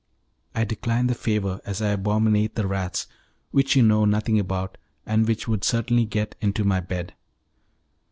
"I decline the favour, as I abominate the rats, which you know nothing about, and which would certainly get into my bed."